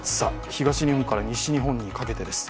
東日本から西日本にかけてです。